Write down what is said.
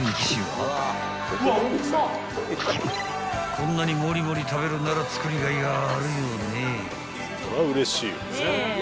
［こんなにもりもり食べるなら作りがいがあるよね］